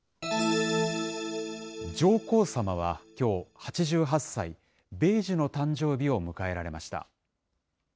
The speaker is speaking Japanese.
上皇さまは、きょう、８８歳・米寿の誕生日を迎えられました。